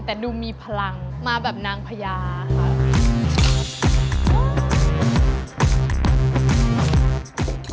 แต่ดูมีพลังมาแบบนางพญาค่ะ